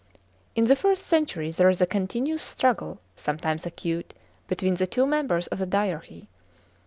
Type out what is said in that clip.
In the first century there is a continuous struggle, sometimes acute, between the two members of the dyarchy.